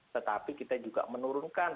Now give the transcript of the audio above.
tetapi kita juga menurunkan